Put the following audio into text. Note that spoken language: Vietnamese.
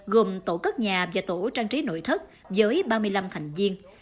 gồm tổ cất nhà và tổ trang trí nội thất với ba mươi năm thành viên